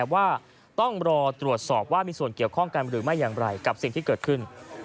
ว่าต้องรอตรวจสอบว่ามีส่วนเกี่ยวข้องกันหรือไม่อย่างไรกับสิ่งที่เกิดขึ้น